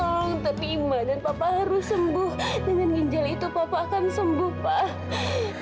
tolong terima dan papa harus sembuh dengan ginjal itu papa akan sembuh pak